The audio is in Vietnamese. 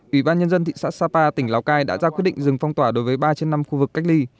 ủy ban nhân dân thị xã sapa tỉnh lào cai đã ra quyết định dừng phong tỏa đối với ba trên năm khu vực cách ly